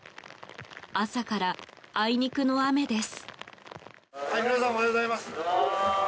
朝から、あいにくの雨です。